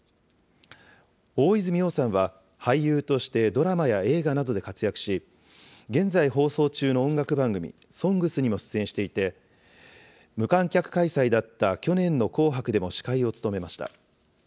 大泉洋さんは、俳優としてドラマや映画などで活躍し、現在放送中の音楽番組、ＳＯＮＧＳにも出演していて、無観客開催だった去年の紅白でも司会を務めました。